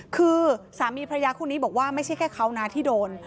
คือสามีพระยาคู่นี้บอกว่าไม่ใช่แค่เขานะที่โดน